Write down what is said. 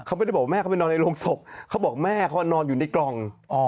เขาไม่ได้บอกว่าแม่เขาไปนอนในโรงศพเขาบอกแม่เขานอนอยู่ในกล่อง